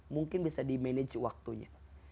mungkin bisa di manage waktunya